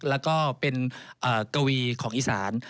แล้วก็เป็นกวีของอีสาน